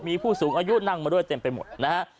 มีผู้สูงอายุนั่งมาด้วยเต็มไปหมดนะฮะ